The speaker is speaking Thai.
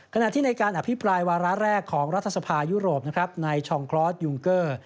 ขณะที่ในการอภิปรายวาระแรกของรัฐสภายุโรปนะครับในชองคลอสยุงเกอร์